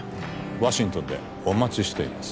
ワシントンでお待ちしています